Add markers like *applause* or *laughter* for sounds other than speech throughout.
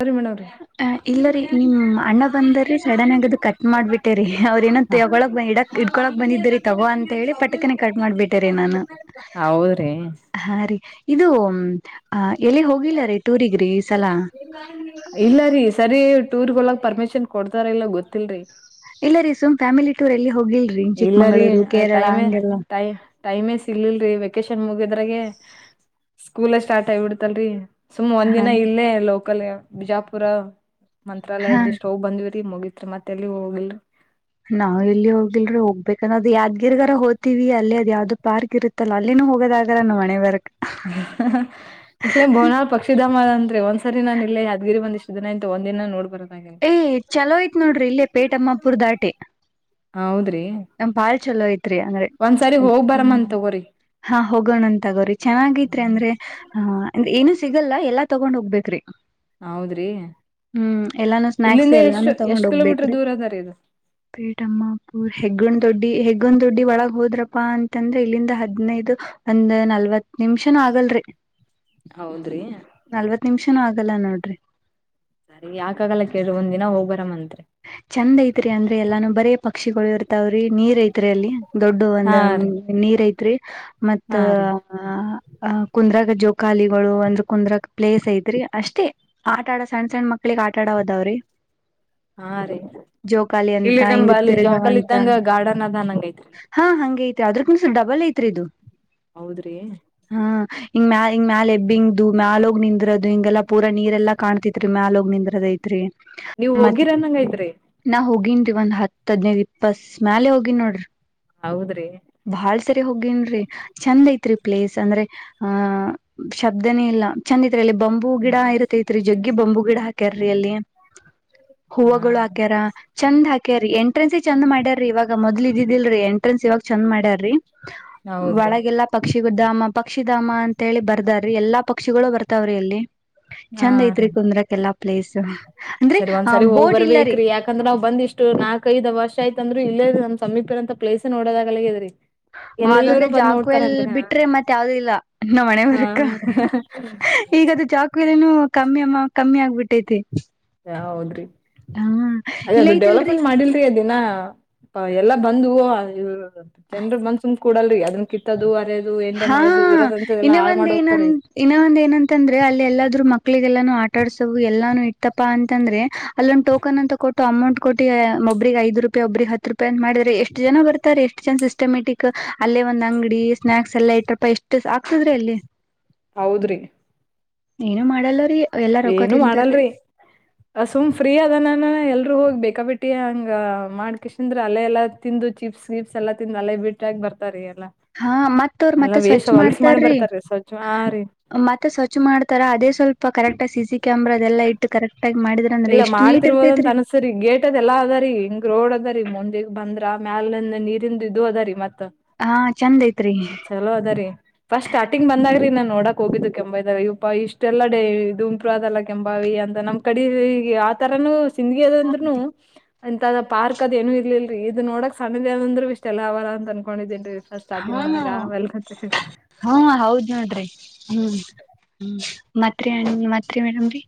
ಸರಿ ಮೇಡಮ್ರೀ ಅ ಇಲ್ಲ ರೀ ನಿಮ ಅಣ್ಣ ಬಂದರೀ ಸಡನ್ ಆಗ ಅದು ಕಟ್ ಮಾಡ್ಬಿಟ್ಟೇರಿ ಅವ್ರ ಏನೋ ಹ ತಗೊಳಕ್ ಇಡಕ್ ಇಡ್ಕೊಳಕ್ ಬಂದಿದ್ದರಿ ತಗೋ ಅಂತ ಹೇಳಿ ಪಟಕನ ಕಟ್ ಮಾಡ್ಬಿಟ್ಟೇರಿ ನಾನು ಹೌದ್ರಿ ಹಾ ರರಿ ಇದು ಹ ಎಲ್ಲಿ ಹೋಗಿಲ್ಲ ರೀ ಟೂರಿಗ್ರೀ ಎಲ್ಲಾರಿೀ ಸರಿ ಟೂರ್ ಒಳಗ್ ಪರ್ಮಿಶನ್ ಕೊಡ್ತಾರ ಇಲ್ಲ ಗೊತ್ತಿಲ್ರಿ ಇಲ್ಲ ರೀ ಸು್ ಫ್ಯಾಮಿಲಿ ಟೂರ್ ಅಲ್ಲಿ ಹೋಗಿಲ್ರಿ ಇಲ್ಲ ರೀ ಚಿಕ್ಕಮಗಳೂರು ಕೇರಳ ಟೈಮೇ ಹಂಗೆಲ್ಲ ಟೈ ಟೈಮೇ ಸಿಲ್ಲ್ರರಿ ವೆೇಕೇಶನ್ ಮುಗಿದ್ರಾಗ ಸ್ಕೂಲ್ ಸ್ಟಾರ್ ಆಗಿಬಿಡ್ತಲ್ರಿ ಸುಮ್ ಒಂದ್ ಹ ದಿನ ಇಲ್ಲೇ ಲೋಕಲ್ ಬಿಜಾಪುರ ಹಾ ಮಂತ್ರಾಲಯದ ಇಸ್ಟ ಹೋಗ್ ಬಂದಿವಿ ಮುಗಿತ್ರಿ ಮತ್ತೆಲ್ಲಿ ಹೋಗಿಲ್ ನಾವ್ ಎಲ್ಲಿ ಹೋಗ್ಿಲ್ರೂ ಹೋಗ್ಬೇಕನ್ನ ಅದು ಯಾದ್ಗಿರ್ಗಾರ ಹೋತಿವಿ ಅಲ್ಲಿ ಅದ್ ಯಾವ್ದ ಪಾರ್ಕ್ ಇರುತ್ತಲ್ಲ ಅಲ್ಲಿನು ಹೋಗದಾಗಾರ ನಮ್ಮಹಣೆಬರಹಕ್ಕೆ ಬರಕ್ ಇ ಬೋನಾಲ್ ಪಕ್ಷಿಧಾಮ ಮಾಡ ಅಂದ್ರೆ ಒಂದ್ ಸರಿ ನಾನ ಇಲ್ಲೇದ್ಗಿರಿಂದಷ್ಟ ದಿನನಂತ ಒಂದ ದಿನ ನೋಡ್ಬರದು ಏ್ ಚಲೋಯ್ತ್ ನೋಡ್ರಿ ಇಲ್ಲೇ ಪೇಟ ಅಮ್ಮಾಪುರ ದಾಟಿ ಹ ಹೌದ್ರಿ ನಮ್ ಭಾಳ್ ಚಲೋ ಆಯ್ತು ಅಂದ್ರ ಒಂದ್ಸರಿ ಹೋಗ್ ಬರಮ್ಮನ್ ತಗೋರಿ ಹಾ ಹೋಗೋಣ ಅಂತ ತಗೋರಿ ಚೆನ್ನಾಗತ್ರಿ ಅಂದ್ರೆ ಏನು ಸಿಗಲ್ಲ ಎಲ್ಲಾ ತಗೊಂಡ ಹೋಗ್ಬೇಕ್ರಿ ಹೌದ್ರಿ ಹ್ಮ್ ಎಲ್ಲಾನು ಸ್ನ್ಯಾಕ್ಸ್ ಇಲ್ಲಿಂದ ಎಷ್ಟು ಎಲ್ಲಾನು ತಗೊಂಡ್ ಎಷ್ಟ್ ಕಿಲೋಮೀಟರ್ ಹೋಗ್ಬೇಕ್ರಿ ದೂರ ಅದರಿ ಇದು ಪೇಟಮ್ಮ ಪೂ ತೊಂಡ್ ದೊಡ್ಡಿ ಹೆಗೊಂದ್ ದೊಡ್ಡಿ ಒಳಗ್ ಹೋದ್ರಪ್ಪಾ ಅಂತಂದ್ರೆ ಇಲ್ಲಿಂದ ಹೆಡ್ನೈಡು ಒಂದ್ ನಲ್ವತ್ ನಿಮಿಷನ ಆಗಲ್ರಿ ಹೌದ್ರಿ ಚ ಆಗಲ್ಲ ನೋಡ್ರಿ ಸರಿ ಯಾಕಾಗಲ್ಲ ಕೇಳ ಒಂದದಿ ನ ಹೋಗ್ ಬರ ಮಂತೆ ಚಂದ ಐತ್ರಿ ಅಂದ್ರೆ ಎಲ್ಲಾನು ಬರೇ ಪಕ್ಷಿಗಳು ಇರ್ತಾವ್ರಿ ನೀರ್ ಐತ್ರಿ ಅಲ್ಲಿ ದೊಡ್ಡ ಒಂದ ಹಾ ರೀ ನೀರ ಐತಿ ರಿ ಮತ್ತ ಹಾ ರೀ ಕುಂದ್ರಾಗ ಜೋ ಕಾಲಿಗಳು ಅಂದ್ರ ಕುಂದ್ರಕ್ ಪ್ಲೇಸ್ ಐತರಿ ಅಷ್ಟೇ ಆಟಾಡ ಸಣ್ಣ ಸಣ್ಣ ಮಕ್ಳಿಗೆ ಆಟ ಆಡ ಹದಾವ್ರಿ ಹಾ ರೀ ಇಲ್ಲಿ ನಮ ಹಿಂಗ್ ಅಲ್ಲಿ ಜೋಕಲ್ ತಿರ್ಗವಂತ ಇದ್ದಂಗ ಗಾರ್ಡನ್ ಅದ ಅನಂಗ ಐತ್ರಿಲ್ಲಿ ಯಾವ್ದದಕೂ ಸ್ಲ್ ಡಲ್ ಐತ್ರಿ ಇದು ಹೌದ್ರಿ ಹಿಂಗ ಮ್ಯಾಲ ಹಿಂಗ ಮ್ಯಾಲ ಎಬ್ಬಿಂಗು ಮ್ಯಾಲೋಗ ನಿಂದ್ರದು ಹಿಂಲ್ಲ ಪೂರಾ ನೀರೆಲ್ಲ ಕಾಣತತ್ರಿ ಮ್ಯಾಲೋಗಿ ನಿಂದ್ರದ ಐತ್ರಿ ನೀವು್ ಮತ್ ಹೋಗಿರ ನಾ ಹೋಗಿನಿ ಒಂದ್ ಹತ್ ಹೆಡ್ನೈಡು ಇಪ್ಪಸ್ ಮ್ಯಾಲ ಹೋಗಿನಿ ನೋಡ್ರಿ ಹೌದ್ರಿ ಬಾಳ್ ಸರಿ ಹೋಗೇನೀರಿ ಚಂದ ಐತ್ರಿ ಪ್ಲೇಸ್ ಅಂದ್ರೆ ಆ ಶಬ್ದನೇ ಇಲ್ಲ ಚಂದ ಐ ಅಲ್ಲಿ ಬಂಬು ಗಿಡ ಇರುತ್ತೆ ಐತ್ರಿ ಜಗ್ಗಿ ಬಂಬು ಗಿಡ ಹಾಕ್ಯಾರೀ ಅಲ್ಲಿ ಹಾ ಹೂವುಗಳು ಹಾಕ್ಯಾರ ಚಂದ್ ಹಾಕ್ಯಾರಿ ಎಂಟ್ರೆನ್ಸ್ ಚಂದ್ ಮಾಡ್ಯ ರೀವ ಮೊದ್ಲ ಇದಿದಿಲ್ರಿ ಎಂಟ್ರೆನ್ಸ್ ಇವಾಗ ಚಂದ ಮಾಡ್ಯಾರ್ರೀ ಹೌದ್ರಿ ಒಳಗೆಲ್ಲ ಪಕ್ಷಿ ಪಕ್ಷಿ ಧಾಮ ಪಕ್ಷಿಧಾಮ ಅಂತ ಹೇಳಿ ಬರ್ದಾರ್ರಿ ಎಲ್ಲಾ ಪಕ್ಷಿಗಳು ಬರ್ತಾವ್ರಿ ಇಲ್ಲಿ ಹಾ ಚಂದ ರೀ ಐತ್ರಿ ಕುಂದ್ರಕ್ ಎಲ್ಲಾ ಪ್ಲೇಸ್ ಅಂದ್ರೆ ಸರಿ ಹೋಗ್ ಬೋಟ್ ಇಲ್ಲರಿ ಬರ್ಬೇಕೇ್ರೀ ಯಾಕಂದ್ರೆ ಅವ್ ಬಂದ ಇಷ್ಟು ನಾಲ್ಕ ೈದು ವರ್ಷ ಆಯತಂದ್ರೆ ಇಲ್ಲೇ ರ ನ್ ಸಮೀಪರಂತ ಪ್ಲೇಸ್ ನೋಡೋಾಗಲ್ಲೇ ಇದ್ರಿ ಹ ಅದೊಂದ್ರೆ ಜಾಕ್ವೆಲ್ ಬಿಟ್ರೆ ಮತ್ ಯಾವ್ದ ಇಲ್ಲ ನ ಹಾ ಮನೆವರ್ಕ ಹಾ ಈಗದು ಜಾಕ್ವೆಲ್ ನು ಕಮ್ಮಿ ಅಮ್ಮ ಕಮ್ಮಿ ಆಗ್ಬಿಟ್ಟೈತಿ ಹೌದ್ರಿ ಹಾ ಅದೇ ಇಲ್ಲ ಅದು ಐತಿಲ್ರಿ ಡೆವಲಪ್ಮೆಂಟ್ ಮಾಡಿಲ್ರಿ ಅದಿನ ಎಲ್ಲ ಬಂದ ಹ ಚಂದ್ರ ಮನ್ಸೂನ್ ಕೊೂಡಲ್ರಿ ಅದನ್ ಕಿತ್ತದು ಅರೆ ಹಾ ಇನ್ನ ಒಂದ ಏನ ಹೋಗ್ತಾರಿ ಇನ್ನ ಒಂದ್ ಏನಂತಂದ್ರೆ ಅಲ್ಲಿ ಎಲ್ಲಾದ್ೂ ಮಕ್ಳಿಗೆ ಎಲ್ಲಾನು ಆಟಾಡ್ಸವು ಎಲ್ಲಾನು ಇಟ್ಟಪ್ಪಾ ಅಂತಂದ್ರೆ ಅಲ್ಲೊಂದು ಟಕನ್ ಅಂತಟ್ಟ *unintelligible* ಅಮೌಂಟ್ ಕೊಟ್ಟ ಒಬ್ಬ್ರಿಗೆ ಐದು ರೂಪಾಯಿ ಒಬ್ಬ್ರಿಗೆ ಹತ್ತು ರೂಪಾಯಿ ಅಂತ ಮಾಡ್ರಾರೆ ಎಷ್ಟು ಜನ ಬರ್ತಾರೆ ಎಷ್ಟು ಜನ ಸಿಸ್ಟಮೆಟಿಕ್ ಅಲ್ಲೇ ಒಂದ್ಂಗಡಿ ಸ್ನಾಾಕ್ಸ್ ಸ ಎಲ್ಲ ಐಟ್ ರೂಪಾಯಿ ಎಷ್ಟು ಆಕ್ತದ್ರೆ ಅಲ್ಲಿ *unintelligible* ಹೌದ್ರಿ ಏನು ಮಾಡಲ್ಲ್ರೀ ಏನು ಮಾಡಲ್ರಿ ಅ ಸುಮ್ ಫ್ರೀ ಅದನಾನ ಎಲ್ರುೂ ಹೋಗ್ಬೇಕು ಯಕಬೇಟ್ಟಿ ಹಂಗ ಮಾಡ್ಕ್ಂದ್ರೆ ಅಲ್ಲ ಎಲ್ಲಾ ತಿಂದು ಚಿಪ್ಸ್ ವಿಿಪ್ಸ್ ಎಲ್ಲ ತಿಂದು ಅಲೆ ಬಿಟ್ರಗ ಬರ್ತಾರಿ ಎಲ್ಲಾ ಹಾ ಮತ್ತ ಅವ್ರ ಎಲ್ಲಾ ಮತ್ತೆ ವೇಷ ಸ್ವಚ್ ಹೊಲ್ಸ್ ಮಾಡಿ ಮಾಡ್ತಾರ್ರೀ ಬರ್ತಾರಿ ಸ್ವಚ್ಛ ಹಾ ರೀ ಮತ್ತೆ ಸ್ವಚ್ ಮಾಡ್ತಾರ ಅದೇ ಸ್ವಲ್ಪ ಾ ಕರೆಕ್ಟ್ ಸಿ ಕ್ಯಾಮರಾ ಅದೆಲ್ಲ ಇಟ್ಟ ಕರೆಕ್ಟ್ *unintelligible* ಅಂದ್ರೆ ಇಲ್ಲ ಎಷ್ಟು ನೀಟ್ ಮಾಡ್ತಿರ್ಬೋದಂತ ಇರ್ತೈತ್ರಿ ಅನ್ಸರಿ ಗೇಟ್ ಅದ ಎಲ್ಲಾ ಅದಾರಿರಿ ಹಿಂಗ್ ರೋಡ್ ಅದಾರಿೀಂ ಬಂದ್ರ ಮ್ಯಾಲಿಂದ ನೀರಿಂದ ಇದದು ಅದ ರೀ ಮತ್ತೆ ಹಾ ಚಂದ ಐತ್ರಿ *unintelligible* ಚಲೋ ಅದ ರೀ ಫಸ್ಟ್ ಸ್ಟಾರ್ಟಿಂಗ್ ಬಂದಾಗ್ರಿ ನನ್ ನೋಡಕ್ ಹೋಗಿದ್ದು ಕೆ ಇ ಇಷ್ಟೆಲ್ಲ ೇ ಇದುಂಪ ಅದಲ್ಲ ಕೆಂಂಬಾವಿ ಅಂತ ನಮ್ ಕಡೆ ಆ ತರನು ಸಿಿಂದಗಲ್ಲಂದ್ರುನು ಅಂತದ ಪಾರ್ಕ್ ಅದ ಏನು ಇಲಲ್ರಿ ಇದು ನೋಡಕ್ ಸಣ್ಣದೇವ ಅಂದ್ರರು ಇಷ್ಟ ಎಲ್ಲ ಅವಾರ ಅನ್ಕೊಂಡಿದೇನ್ ರೀ ಹ್ಮ ಹ್ಮ ಹೌದ್ ನೋಡ್ರಿ ಹ್ಮ್ ಹ್ಮ್ ಮಾತ್ರಿ ಮಾತ್ರಿ ಮೇಡಮ್ ರೀ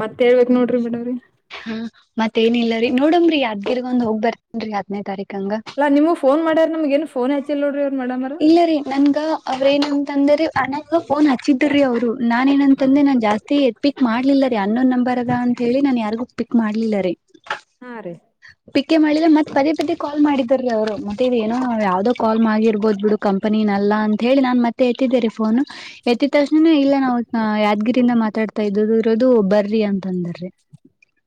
ಮತ್ತೆ ನೋಡ್ರಿ ಬೇಡವ್ರರಿ ಹಾ ಮತ್ತೇಏನಿಲ್ಲಲ್ಲರರಿ ನೋಡಮ್ರೀ ಅದ್ಗಿರ್ಗೊ್ ಹೋಗ್ ಬರ್ತನ್ರರಿ ಹದ್ನೇ ತಾರೀಕು ಅಾ ನಿಮಗ ೋನ್ ಮಾಡಾರ ನಮ್ ನ್ಫೋನ್ ಹಾಿಿಲ್ಲ ನೋಡ್ರ ಅವ್ ಮಾಡಿ ಇಲ್ಲ ರೀ ನನ್ಗ ಅವ್ರ ಏನಂತಂದ್ರ ಅನ ಫೋನ್ ಹಚ್ಚಿದ ತಿರಿ ಅವರು *unintelligible* ನಾನ್ ಏನಂತ ಅಂದೆ ನಾನ್ ಜಾಸ್ತಿ ಎತ್ಪಿಕ್ *unintelligible* ಮಾಡ್ಲಿಲ್ಲ ರೀ ಯ *unintelligible* ಅನ್ನೊಂದ ನಂಬರ್ ಅದ ಅಂತ ಹೇಳಿ ನನ್ ಯಾರಿಗ ಪಿಕ್ ಮಾಡ್ಲಿಲ್ಲ ರೀ ಹಾ ರೀ ಪಿಕ್ಕೆ ಮಾಡಿಲ್ಲ ಮತ್ತತ್ ಪದೇ ಪದೇ ಕಾಲ್ ಮಾಡಿದಾರ ಅವರು ಮತ್ತೆ ಇದು ಏನೋ ಯಾವವುದೋ ಕಾಲ್ಗಿರ್ಬೋದು ಬಿಡು ಕಂಪನಿಿನಲ್ಲ ಅಂತ ಹೇಳಿ ನಾನ್ ಮತ್ತೆ ಎತ್ತಿದ್ದೀರಿ ಫೋನ್ ಎತ್ತ ತಕ್ಷಣನೇ ಇಲ್ಲ ನಾವು ಯಾದಗಿರಿಯಿಂದ ಮಾತಾಡ್ತಾ ಇದ್ದದು ರೋಗ *unintelligible* ಅದು ಬರ್ರಿ ಅಂತಂದಿರಿ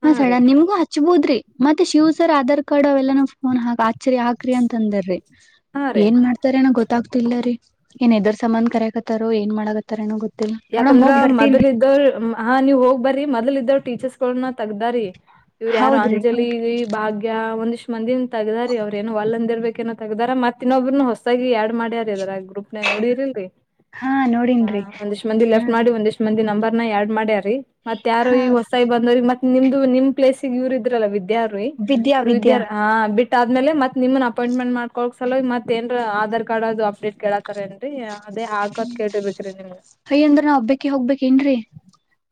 ಹ ಹಾ ರೀ ಸಡನ್ ನಿಮ್ಗೂ ಹಚ್ಬೋದ್ರಿ ಮತ್ತೆ ಶಿವ ಸರ್ ಆಧಾರ್ ಕಾರ್ಡ್ ಅವೆಲ್ಲಾ ಫೋನ್ ಹಾ ಚ್ಚರಿ ಹಾಕ್ರಿ ಅಂತ ಅಂದಾರಿ ಹಾ ರೀ. ಏನ್ ಮಾಡ್ತ *unintelligible* ಗೊತ್ತಾಗ್ತಿಲ್ಲ ರೀ ಏನ್ ಎದರ ಸಮಬಧನ್ ಕರಕತ್ತಾರ ಏನ್ ಮಾಡಗತ್ತತಾರಏನೋ ಗೊತ್ತ ಯಾಕಂದ್ರ ಮೊದ್ಲ ಇದ್ದವ್ ಹಾ ನೀವ್ ಹೋಗ್ ಬರರಿ ಮೊದ್ ಇದವ್ ಟೀಚರ್ಸ್ ಕೊಣ *unintelligible* ತಗ್ದಾರಿ ಇವ್ರು ಯಾರು ಹೌದ್ರಿ ಅಂಜಲಿ ಭಾಗ್ಯ ಒಂದಿಷ್ಟ ಮಂದಿನ್ ತಗ್ದಾರಿ ಅವ್ರ ೇನ ಒಲ್ಂದಿರ್ಬೇಕೇನೋ ತಗಾರ ಮತ್ತ ಇನ್ನೊಬ್್ರೂ ಹೊಸಾಗಿ ಆ್ಯಡ್ ಮಾಡ್ಯಾರ ಇದದರ ಬರುಪ್ನ ನೋಡಿರಿಲ್ರಿ ಹಾ ಹಾ ನೋಡಿನ್ರಿ ಒಂದಷ್ಟ ಮಂದಿ ಲೆಫ್ಟ್ ಮಾಡಿ ಒಂದಷ್ಟ ಮಂದಿ ನಾ ಬರ್ನ ಎರಡ್ ಮಾಡ ಮತ್ತ ಯಾರೋ ಹಾ ಈಗ ಹೊಸಾಗಿ ಬಂದವ ಮತ್ತ ನಿಮ್ದು ನಿಮ್ ಪ್ಲೇಸ್ ಇವರ ಇದ್ರಲ್ಲ ವಿದ ವಿದ್ಯೀ ವಿದ್ಯಾ ಅವರು ವಿದ್ಯಾ ವಿದ್ಯಾರ್ ಹ ಬಿಟ್ಟ ಆದ್ಮೇಲೆ ಮತ್ ನಿಮನ್ ಅಪಾಯಂಟ್ಮೆಂಟ್ ಮಾಡಕೋಕ್ ಸಲ ಮತ ಏನ್ರ ಆಧಾರ್ ಕಾರ್ಡ್ ಅದು ಅಪ್ಡೇಟ್ ಕೇಳತಾರ ಏನ್ರಿೀ. ಅದೇ ಆಗತ್ ಕೇಿಬೇಕ್ರೀ ನಿಮ್ಗೆ. ಅಯ್ಯ ಅಂದ್ರ ನಾವ ಹಬ್ಬಕ್ಕೆ ಹೋಗ್ಬೇಕೇಏನ್ರೀ.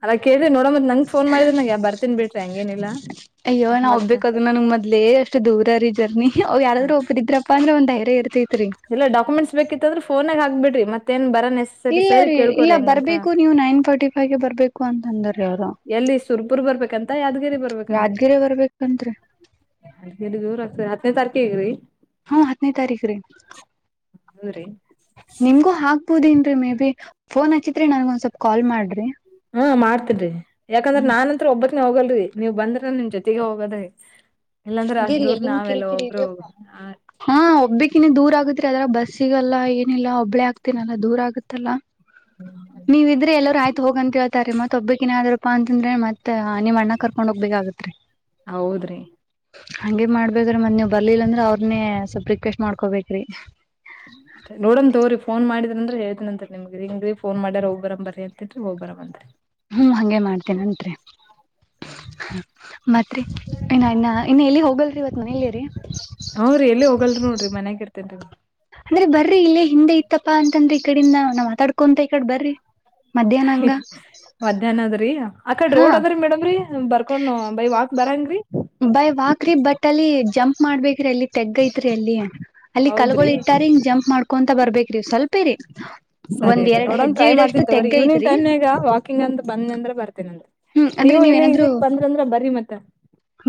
ಅಲ್ಲ ಕೇಳ ನ ನಂಗ್ ಫೋನ್ ಮಾಡಿದ್ರ ನನ ಬರ್ತೀಿ ಬಿಟ್ಟ ಹೆಂಗೇನಿಲ್ಲ. ಅಯ್ಯೋ ನಾ ಒಬ್ಬೇಕು ಅದನ ನಿಮ್ ಮೊದ್ಲೆ ಅಷ್ಟು ದೂರ ರೀ ಜರ್ನಿ. ್ ಯಾರಾದರು ಒಬ್ಬ ಇದ್ರಪ್ಪ ಅಂದ್ರ ಒಂದ *unintelligible* ಎಲ್ಲ ಡಾಕ್ಯುೆಂಟ್ಸ್ ಬೇಕತ್ತು ್ರ ಫೋಾಗ ಹಾಬ ಬಿಡ್ರಿ ಮತ್ತೇನ್ ಬರ ನೆಸಸರಿ ಇಲ್ಲ ಸರಿ ರೀ ಇಲ್ಲ ಕೇಳ್ಕೋರಿ ಹೆಂಗಂತ ಬರ್ಬೇಕು ನೀವು ನೈನ್ ಫಾರ್ಟಿ ಫೈವ್ಗೆ ಬರ್ಬೇಕು ಅಂತ ಅಂದ್ರೀ ಅವ್ರ. ರ್ ಬರ್ಬೇಕಂತ ಯಾವ್ದ ರಿ ಬರ್ಬೇಕಂದ್ರೆ ಬರ್ಬೇಕಂತ್ರಿ ಆತದೆ ತಾರಕೆಗ ರೀ ಹಾ ಹತ್ತನೇ ತಾರೀಖ ರೀ. ಹೌದ್ರಿ ನಿಮ್ಗೂ ಹಾಕ್ಬೋುದ ಮೇ ಬಿ ಫೋನ್ ಹಚ್ಚಿತ್ರಿ ನನ್ಗ ಒಂದ್ ಸ್ವಲ್ ಕಾಲ್ ಮಾಡ್ರಿ. ಹ್ಮ ಮಾಡ್ತನ್ ರೀ ಯಾಕಂದ್ರ ನಾನ್ಂತ್ರ ಒಬ್ಬಕೆ ಹೋಗಲ್ರರಿ. ನೀವ್ ಬಂದ್ರ ನಿಮ್ ಜೊತೆಗೆ ಹೋಗೋದ. ಅದೇರಿ ಎಲ್ಲಿನ್ ಕಿರಿಕಿರಿ ಇರಿಪ್ಪ ಹಾ ಒಬ್ಬಿಕ್ಕಿನ್ನ ದೂರ ಆಗತ್ರಿ ಅದ್ರ ಬಸ್ಸಿಗೆಲ್ಲ ಲ್ಲಾ ಒಬ್ಳೆ ಆಗ್ತೀನಲ್ಲಾ ದೂರ ಆಗತ್ತಲ್ಲಾ. ನೀವಿದ್ರೆ ಎಲ್ಲರ ಆ ತ್ ಹೋಗಂತೇತಾರೆ ಮತ್ ಒಬ್ಬಿಕ್ಕಿನ್ಾದ್ರಪ್ಪ ಅಂದ್ರೆ ಮತ್ ನೀವ್ ಅ್ಣ ಕರ್ಕೊಂಡ್ ಹೋಗ್ಬೇಕಾಗತ್ರಿ ಹೌದ್ರಿ ಹಂಗೇ ಮಾಡ್ಬೇ್ರೀ ಮತ್ ನೀವ್ ಬರ್ಲಿಲ್ಲ ಅಂದ್ರ ಅವ್ರನೇ ಸ್ವಪ್ ರಿಕ್ವೆಸ್ಟ್ ಮಾಡ್ಕೊಬೇಕ್ರಿ ಂದ್ರ ಹೇಳಿದನಂರಿ ನಿಮ್ಗೆ ಹಂಗ ಫೋನ್ ಮಾಡ್ಯಾರೋಗಬರ ಬರಿ ಅಂತಿದ್ರ ಹೋಗಬರ ಅಂತರಿ ಹ್ಮ್ ಹಗೆ ಮಾಡ್ತೇನೆಂಟರಿ ಮತ್ರಿ ಇ ಇನ್ನ ಇನ್ನ ಎಲ್ಲಿ ಹೋಗಲ್ರಿ ಮನೇಲಿ ರೀ ಹ ರೀ ಎಲ್ಲಿ ಹೋಗಲ್ ಲ್ ನೋಡ್ರಿ ಮನ್ಾಗ ಇರ್ೇನ್ೀ ಅಂದ್ರೆ ಬರ್ರಿ ಇಲ್ಲೇ ಹಿಂದೆ ಇತ್ತಪ್ಪಾ ಅಂತಂದ್ರೆ ಈಕಡಿಂದ ನಾ್ ಮಾತಾಡ್ಕೊಂತ ಈಕಡೆ ಬರ್ರಿ ಮಧ್ಯಾಹ್ನ ಹಂಗ ಮಧ್ಯಾಹ್ನ ಅದ್ರಿ ಆಕಡೆ ಹಾ ರೋಡ್ ಅದ ಮಡ್ರರಿ ಬರ್ಕೊಂಡ ಬೈ ವಾಕ್ ಬರಂಗ್ರೀ ಬೈ್ ವಾಕ್ರಿ ಬಟ್ಟಲ್ಲಿ ಜಂಪ್ ಮಾಡ್ಬೇಕ್ರ ಎಲ್ಲಿ ತೆಗ್ಗ ಐತ್ರಿ ಅಲ್ಲಿ ಅಲ್ಲಿ ಹೌದ್ರಿ ಕಲ್ಗಳು ಇಟ್ಟಾರ ಹಿ ಜಂಪ್ ಮಾಡ್ಕೊ ಬರ್ಬೇಕ್ರಿ ಸ್ವಲ್ಪೇ ರರಿ ಸರಿ ರೀ ನೋಡಣ ಟ್ರೈ ಮಾಡ್ತಿದ್ದ್ವ್ರೀ ತೆಗ್ಗ ಈವ್ಿಂಗ್ ಐತ್ರಿ ಟೈಮ್ ಈಗ ವಾಕಿಂಗ್ ಅ ಬಂದ ಅಂದ್ರೆ ಬರ್ತೀನಂದ ಹ್ಮ್ ಅಂದ್ರೆ ನೀವ್ ಏನಾದ್ೂ ಮತ್ತ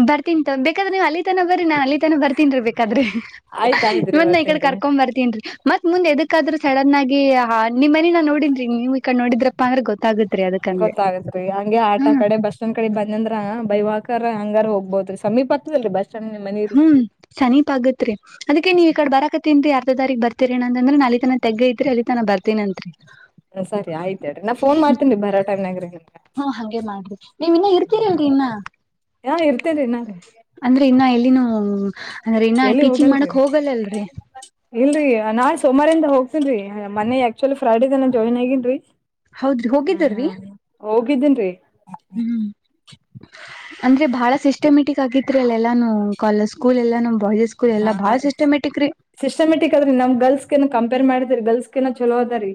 ಬರ್ತೀನ್ ಬೇಕಾದ್ರೆ ನೀವ್ ಅಲ್ಲಿ ತನ ಬರ್ರಿ ನಾನ್ ಅಲ್ಲಿ ತನ ಬರ್ತೀನ್ಿ ಬೇಕಾದ್ರೆ ಆಯ್ತ ಆಯ್ತ್ರಿ ಮಂದ ಈ ಕಡೆ ಬರ್ತೇನ್ರಿ ಕರ್ಕೊ್ ಬರ್ತೀನ್ಿ ಮತ್ ಮುಂದೆದಕ್ಕಾದ್ರೂ ಸಡನ್ ಆಗಿ ಹ ನಿಮ್ಮ ಮನ ನಾ ನೋಡಿದನ್್ರಿ ನೀವು ಈ ಕಡೆ ನೋಡಿದ್ರಪ್ಪಾ ಅಂದ್ರೆ ಗೊತ್ತಾಗುತ್ತೆ ಗೊತ್ತಾಗತ್ೀ ಹಂಗೆ ಆಟಾ ಕಡೆ ಬಸ್ ಒಂದ್ ಕಡೆ ಬಂದಂದ್ರ ಬೈವಾಾಕರ್ ಹಂಗಾರ ಹೋಗ ಹೌದ್ರೀ ಸಮೀಪದಲ್ಲಿ ಬ ಹ್ಮ್ ಸನೀಪ್ ಆಗತ್ರಿ ಅದಕ್ಕೆ ನೀವ್ ಈ ಕಡೆ ಬರಾಕತ್ತೇನ್ರಿ ಯಾರ ತಾರೀಕ್ ಬರ್ತೀ ಏನ ಅಂದ್ರೆ ನಲ್ಲಿ ತನ ತಗ್ಗ ಇದ್ರೆ ಅಲ್ಲಿ ತನ ಬರ್ತನನ್ಂರಿ ಹ ಸರಿ ಆಯ್ತು ಹೇಳ್ರಿ ನಾ ಫೋನ್ ಮಾಡ್ತೇನ್ಿ ಬರಾಟನಗ್ರಗೆ ಹಾ ಹಂಗೆ ಮಾಡ್ರಿ ನೀವ್ ಇನ್ನ ಇರ್ತೀರಲ್ರಿ ಇನ್ನ ಹಾ ಇರ್ತೇನೆರಿೀ ನಾಗಗೆ ಹ್ಮ ಅಂದ್ರೆ ಇನ್ನ ಎಲ್ಲಿ ಟೀಚಿಂಗ್ ಹೋಗಲ್ರಿ ಮಾಡಕ್ ಹೋಗಲ್ಲಲ್ರಿ ಇಲ್ರರಿ ನಾನ್ ಸುಮಾರಿಂದ ಹೋಗ್ತೇನ್ ರೀ ಮನೆ ಆಕ್ಚುಲಿ ಫ್ರೈಡ ದನ ಜಾಯ್ನ್ ಆಗೇನ್ೀ ಹೌದ್ರಿ ಹೋಗಿದ್ದರಿ ಹೋಗಿದ್ದೀನ್ರಿ ಹ್ಮ್ ಅಂದ್ರೆ ಬಹಳ ಸಿಸ್ಟಮೆಟಿಕ್ ಆಗಿತ್ರಿ ಅಲ್ಲ ಎಲ್ಲಾ ಕ ಸ್ಕೂಲ್ ಎಲ್ಲಾ ಬಾಯ್ಸ್ ಸ್ಕೂಲ್ ಎಲ್ಲಾ ಹಾ ಬಾಳ ರೀ ಸಿಸ್ಟಮೆಟಿಕ್ ರೀ ಸಿಸ್ಟಮ್ಯಾಟಿಕ್ ಅದ್ರೆ ನಮ್ ಗರ್ಲ್ಸ್ ಕಂಪೇರ್ ಮಾಡಿದರಿ ಗರ್ಲ್ಸ್ ಲ್ಲ ಚಲೋ ಅದ ರೀ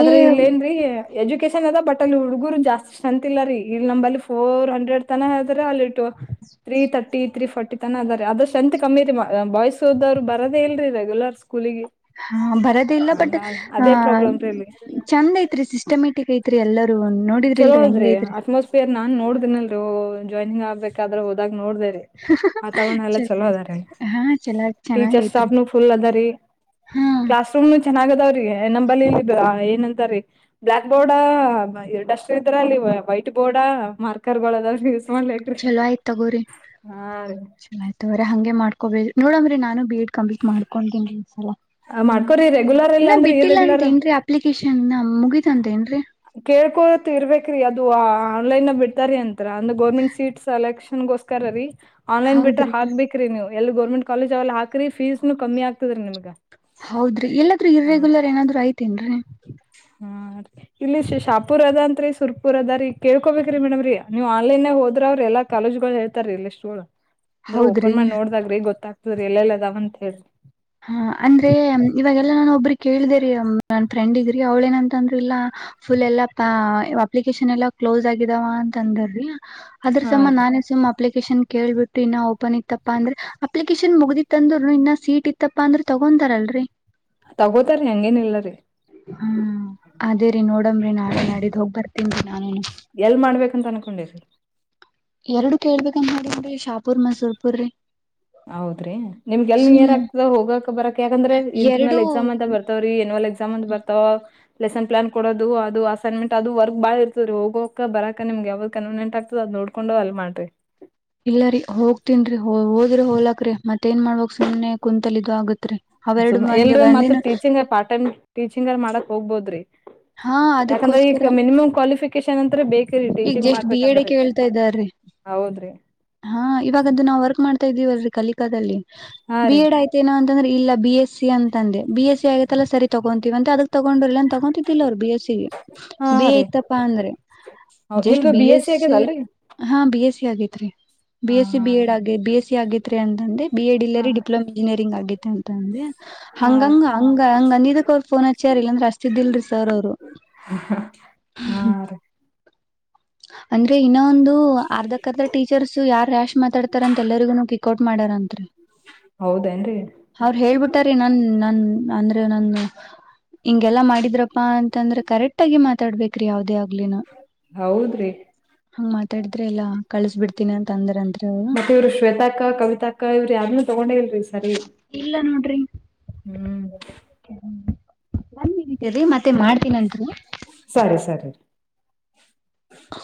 ಏ ಇಲ್ಲೇಏನ ಎಜುಕನ್ ಅದ ಬಟ್ ಅಲ್ಲಿ ಹುಡುಗರು ಜಾಸ್ತಿ ಸ್ರಂತ ಇಲ್ಲ ರೀ ಇಲ್ಲಿ ನಂಬ ಅಲ್ಲಿ ಫೋರ್ ಹಂಡ್ರೆಡ್ ತನ ಹೇಳದ್ರ ಅಲ್ಲಿ ತ್ರೀ ತರ್ಟಿ ತ್ರೀ ಫರ್ಟಿ ದ ಅದು್ರ ಸ್ರಂತ್ ಕಮ್ಮಿರಿ ಬಾಯ್ಸ್ ಹದ್ರು ಬರೋದ ಇಲ್ರಿ ರಗ್ಯುಲರ್ ಹಾ ಬರೋದ ಇಲ್ಲ ಬಟ್ ಆ ಅದೇ ಪ್ರಾಬ್ಲಮ್ ರೀ ಇಲ್ಲಿ ಚಂದ್ ಐತ್ರಿ ಸಿಸ್ಟಮ್ಯಾಟಿಕ್ ಐತ್ ಎಲ್ಲೂ ಚಲೋ ಅದ್ರಿ ಅಟ್ಮಾಸ್ಫಿಯರ್ ನಾನ್ ನೋಡ್ದನಲ್ ಜಾಯ್ನಿಂಗ್ ಆಗ್ಬೇಕ್ರೆ ಹೋದಾಗ ನೋಡೇ ವಾತಾವರಣ ಎಲ್ಲ ಚಲೋ ಅದ ಹಾ ಚಲೋ ಚೆನ್ನಾಗ್ ಟೀಚರ್ ಐತ್ರಿ ಸ್ಟಾಫ್ನು ಫುಲ್ ಅದೀ ಹಾ ಕ್ಲಾಸ್ ರೂಮ್ ಚೆನ್ನಾಗ ಅದಾವ್ರೀ ನಂಬ ಇ ಂತೀ ಬ್ಲಯಾಕ್ ಬೋರ್ಡ್ ಎ ಇದ್ರ ಅಲ್ಲಿ ವೈಟ್ ಬೋರ್ಡ್ ಮಾರ್ಕರ್ಗಳು ಅದ ಚಲೋ ಆಯ್ತು ತಗೋರಿಿ ರೀ ಚಲೋ ಆಯ್ತ್ ತಗೋರಿ ಹಂಗೆ ಮಾಡ್ಕ ನೋಡಂಗ್ರೆ ನಾನು ಬೇ ಲ ಮಾಡ್ಕೋರಿ ರೆಗ್ಯುಲರ್ ಇಲ್ಲ ಇನ್ನ ಅಂದ್ರೆ ಬಿಟ್ಟಿಲ್ಲ ಇರ್ರೆಗ್ಯುಲರ್ ಅೇನ್ ಅಲನ್ ಮು ಚಂದ ೇನ್ರಿ ಕೇಳ್ಕೋತ್ ಇರ್ಬೇಕ್ರೀ ಅದು ಆನ್ಲೈನ್ ಬಿಡ್ತಾರಾರಿೀ ಅಂತತ್ರ ಅಂದ್ರ ಗೋರ್ಮೆಂಟ್ ಸೀಟ್ ಸೆಲೆಕ್ಷನ್ಗೋಸ್ಕರ ರೀ ಆನ್ಲೈನ್ ಬಿಟ್ರ ಹೌದ್ರಿ ಹಾಕ್ಬೇಕ್ರಿ ನೀವು ಎಲ್ಲಿ ಗೋರ್ಮೆಟ್ ಕಾಲೇಜ್ಲ್ಲ ಹಾಕಿ ಫೀಸ್ನು ಕಮ್ಮಿ ಆಾತಿ ಹೌದ್ರಿ ಎಲ್ಲಾದ್ರೂ ಇರೆಗ್ಯುಲರ್ ಏನಾದ್ರು ಐತಿನ್ ರಿ ಹಾ ರೀ ಇಲ್ಲಿ ಶಾಪುರ್ ಅದನ್ರಿ ಸುರ್ಪುರ್ ಅದ ರೀ ಕೇಳ್ಕೋಬೇಕ್ರೀ ಮೇಡಮ್್ರೀ ನೀವ್ ಆನ್ಲೈನ್ೇ ಹೋದ್ರ ಅವ್ರಿ ಎಾ ಕಾಲೇಜ ಗಳು ಹೇಳ್ತಾರೀ ಇಲ್ಲಷ್ಟುಗಳು ಅಂದ್ರ ಹೌದ್ರಿ ಓಪನ್ ಮಾಡ ನೋಡಿದಾಗ್ರೆ ಗೊತ್ತಾಗತ ಸರಿ ಎಲ್ಲೆಲ್ಲದಾವಂತತ್ ಹೇಳ್ರಿ ಹಾ ಅಂದ್ರೆ ಇವಾಗೆಲ್ಲಾ ನಾನ ಒಬ್ಬ್ರ ಕೇಳ್ದರಿೀ ನನ್ ಫ್ರೆಂಡಗ್ರಿ ಅವ್ಳ ಏನಂತಂದ್ರ ಇಲ್ಲಾ ಫುಲ್ ಎಲ್ಲಾ ಅಪ್ಲಿಕೇಶನ್ ಎಲ್ಲಾ ಕ್ಲೋಸ್ ಆಗಿದಾವ ಅಂತ ಅಂದ್ರಿ ಅದ್ರ ಹಾ ಸಮಮ್ಮ ರೀ ನಾನೇ ಸುಮ್ಮ ಅಪ್ಲಿಕೇಶನ್ ಕೇಳ್ಬಿಟ್ಟು ಇನ್ನ ಓಪನ್ ಇತ್ತಪ್ಪ ಅಂದ್ರೆ ಅಪ್ಲಿಕೇಶನ್ ಮುಗ್ದಿ ಅಂದ್ರುನು ಇ ಸೀಟ್ ಇ ಇತ್ತಪ್ಪಾ ಅಂದ್ರೆ ತಗೊಂತತಾರಲ್ರರಿ ತಗೋತಾರೀ ಹೆಂಗೇನ ಇಿಲ್ಲರಿ ನಡ್ರ ನಾ ನಡಿದ ಹೋಗಿ ಬರ್ತೀನ್ ರೀ ನಾನು ಎಲ್ ಮಾಡ್ಬೇಕಂತ ಅನ್ಕೊಂಡೆ ಸರ್ ಎರಡು ಕೇಳ್ಬೇಕಂತ ನೋಡನ್ಿ ಶಾಪೂರ್ ಮೈಸೂರ್ಪುರೀ ಹೌದ್ರಿ ನಿಮ್ಗೆಲ್ ಇಯರ್ ಆಗ್ತದ ಹೋಗಕಕ್ ಬರಕ್ ಯಾಕಂದ್ರೆ ಎರಡು ಇಂಟರ್ನಲ್ ಎಕ್ಸಾಮ್ ಅಂತ ಬರ್ತವ್ರಿ ಎನ್ಯಲ್ ಎ್ ಸಮಾಮಂಧ ಬರ್ತಾವ ಲೆಸನ್ ಪ್ಲಾನ್ ಕೊಡದು ಅದು ಅಸೈನ್ಮೆಂಟ್ ಅದು ವರ್ಕ್ ಬಾಳ ಇರ್ತದ ರೀ ಹೋಗೋಕ ಬರಕ ನಿಮ್ಗೆ ಯಾವ್ದ್ ಕನ್ವಿನಿಯಂಟ್ ಆಗ್ತದ ಅದ್ ನೋಡ್ಕೊಂಡು ಅಲ್ ಮಾಡ್ರಿ ್ರ ಹೋಲಕ ರೀ ಮತ್ತೇ ನ್ ಮಾಡ್ಕ್ ಸು್ನೆ ಕುಂತಲ ಇದು ಆಗತ್ರಿ ಅವೆರಡು ಸುಮ್ ಮಂದಿ ಎಲ್ರು ಒಂದಿನ ಮತ್ತತ್ ಟೀಚಿಂಗ್ ಪಾರ್ಟ್ ಟೈಮ್ ಟೀಚಿಂಗ್ ಮಾಡಕ್ ಹೋಗ್ಬೋದ್ರಿ ಹಾ ಯಾಕಂದ್ರೆ ಈ ಅದಕ್ಕೋಸ್ಕರ ಮಿನಿಮಮ್ ಕ್ವಾಲಿಫ ನಂತರ ಬೇಕು ಈಗ ಜಸ್ಟ್ ಬಿ ಎಡ್ ಹೇಳ್ತಾ ಇದ್ದಾರೀ ಹೌದ್ರಿ ಹಾ ಇವಾಗ್ದು ನಾವ್ ವರ್ಕ್ ಮಾಡ್ತಾ ಇದೀವಲ್ೀ ಕಲಿಕಾದಲ್ಲಿ ಹಾ ಬಿ ರೀ ಎಡ್ ಆಯ್ತೇನ ಅ ಂದ್ರೆ ಇಲ್ಲ ಬಿ ಎಸ್ ಸಿ ಅಂತಂದೆ ಬಿ ಎಸ್ ಸಿ ಆಗತ್ತಲ್ಲ ಸರಿ ತಗೋಂತೀವ ಅಂತೆ ಅದಕ್ ತಗೊಂಡರ್ಲಲ್ಲ ಅನ್ ತಗೊತಿದಿಲ್ಲ ಅವ್ರು ಬಿ ಎಸ್ಸ ಹಾ ಬಿ ಎ ರೀ ಇತ್ತಪ್ಪಾ ಅಂದ್ರೆ ಹೌದ್ ನಿಮ್ದು ಬಿ ಎಸ್ ಸಿ ಆಗ್ಯದಲ್ರರಿ ಹಾ ಬಿ ಎಸ್ ಸಿ ಆಗೈತ್ ರರಿ B S C B Ed ಆಗಿ ಬಿ ಎಸ್ ಸಿ ಸಿಗೆ ಅಂತಂದ ಬಿ ಎಡ್ ಇಲ್ಲ ಹಾ ಡಿಪ್ಲೋಮಾ ಇಂಜಿನಿಯರಿಂಗ್ ಆಗೇ ಅಂತಂದೆ ಹಾ ಹಂಗಂಗ ಹಂಗ ಹಂಗ ಅಂದಿದ ಅವರು ಫೋನ್ ಹಚ್ಚ್ಯಾರ ಇಲ್ಲಾಂದ್ರೆ ಅಷ್ಟತಿದ್ದಲ್ರಿ ಸರ್ ಅವರು ಹಾ ರೀ ಅಂದ್ರೆ ಇನ್ನ ಒಂದು ಅರ್ಧ ಅರ್ಧ ಟೀಚರ್ಸ್ ಯಾರ್ ರ್ಯಾಶ್ ಮಾತಾಡ್ತಾರ ಅಂತ ಎಲ್ಲರಿಗೂ ಕಿ ಕೊೋಟ್ ಮಾಡಾರಂತ್ರಿ ಹೌದೇನ್ರಿ ಅವ್ರ ಹೇಳ್ಬಿಟ್ಟಾರ ನನ್ ನನ್ ಅಂದ್ರೆ ನನ್ ಹಿಂಗೆಲ್ಲಾ ಮಾಡಿದ್ರ ಪ್ಪಾ ಅಂತಂದ್ರೆ ಕರೆಕ್ಟ್ ಆಗಿ ಮಾ ತಡ್ಬೇಕ್ರೀ ಯಾವದೇ ಆಗ್ಲಿನ ಹೌದ್ರಿ ಹಂಗ್ ಮಾತಾಡಿದ್ರೆ ಎಲ್ಲಾ ಕಳ್ಸ್ ಬಿಡ್ತೀನಿ ಅಂತ ಅಂದ್ರ ಅಂತ್ರಿ ಅವ್ರು ಮತ್ತೆ ಇವ್ರು ಶ್ವೇತಾಕ್ಕ ಕವಿತಾಕ್ಕ ಇವ್ರರು ಯಾರನು ತಗೊಂಡೇ ಇಲ್ರಿ ಸರಿ ಇಲ್ಲ ನೋಡ್ರಿ ಹ್ಮ್ ತರಿ ಮತ್ತೆ ಮಾಡ್ತೀನತ್ರಿ ಸರಿ ಸರಿ ಹ